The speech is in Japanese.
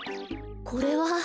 これは。